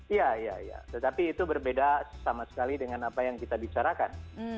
ya ya ya tetapi itu berbeda sama sekali dengan apa yang kita bicarakan